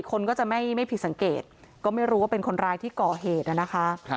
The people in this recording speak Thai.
คนก็จะไม่ผิดสังเกตก็ไม่รู้ว่าเป็นคนร้ายที่ก่อเหตุนะคะ